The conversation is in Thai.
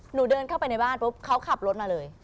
เดินเข้าไปในบ้านปุ๊บเขาขับรถมาเลย